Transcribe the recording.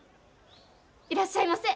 いらっしゃいませ！